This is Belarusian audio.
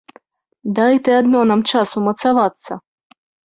Дай ты адно нам час умацавацца.